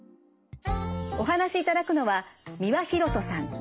お話しいただくのは三輪洋人さん。